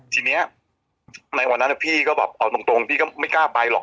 ทีนี้ในวันนั้นพี่ก็แบบเอาตรงพี่ก็ไม่กล้าไปหรอก